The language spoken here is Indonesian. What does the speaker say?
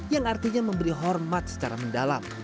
yang artinya memberi hormat secara mendalam